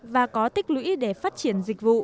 và có tích lũy để phát triển